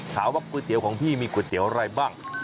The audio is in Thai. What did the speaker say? ก๋วยเตี๋ยวของพี่มีก๋วยเตี๋ยวอะไรบ้าง